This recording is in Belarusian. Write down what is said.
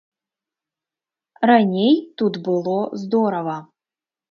Раней тут было здорава.